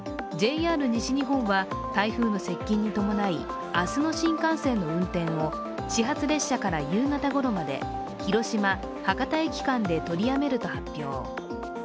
ＪＲ西日本は台風の接近に伴い明日の新幹線の運転を始発列車から夕方ごろまで広島−博多駅で取りやめると発表。